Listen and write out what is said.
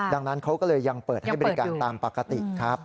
ดังนั้นเขาก็เลยยังเปิดให้บริการตามปกติครับ